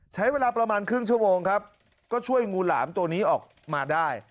ใช้เวลาประมาณครึ่งชั่วโมงครับก็ช่วยงูหลามตัวนี้ออกมาได้